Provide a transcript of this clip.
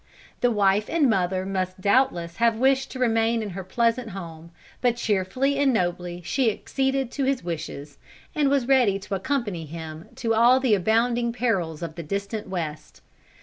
The wife and mother must doubtless have wished to remain in her pleasant home, but cheerfully and nobly she acceded to his wishes, and was ready to accompany him to all the abounding perils of the distant West.